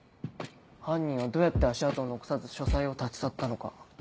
犯人はどうやって足跡を残さず書斎を立ち去ったのか。